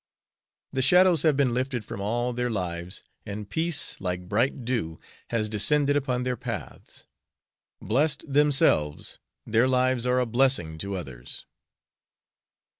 The shadows have been lifted from all their lives; and peace, like bright dew, has descended upon their paths. Blessed themselves, their lives are a blessing to others.